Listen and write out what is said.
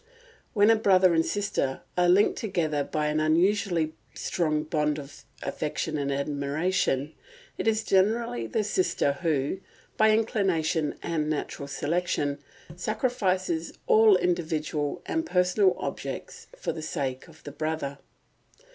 When a brother and sister are linked together by an unusually strong bond of affection and admiration, it is generally the sister who, by inclination and natural selection, sacrifices all individual and personal objects for the sake of the brother.